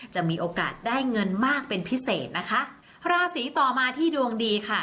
จะมีโอกาสได้เงินมากเป็นพิเศษนะคะราศีต่อมาที่ดวงดีค่ะ